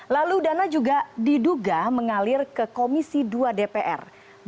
lalu dana juga diduga mengalir ke komisi dua dpr